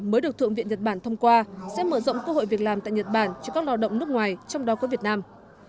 mới được thượng viện nhật bản thông qua sẽ mở rộng cơ hội việc làm tại nhật bản cho các lao động nước ngoài trong đó có việt nam